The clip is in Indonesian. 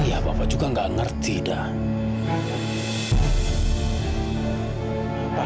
ya bapak juga nggak ngerti dah